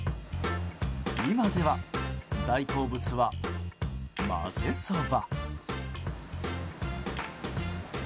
今では大好物は、まぜそば。